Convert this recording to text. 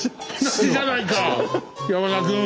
一緒じゃないか山田君。